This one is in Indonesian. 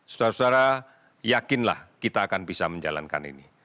saudara saudara yakinlah kita akan bisa menjalankan ini